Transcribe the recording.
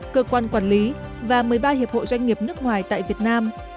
cơ quan quản lý và một mươi ba hiệp hội doanh nghiệp nước ngoài tại việt nam